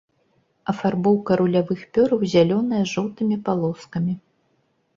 Афарбоўка рулявых пёраў зялёная з жоўтымі палоскамі.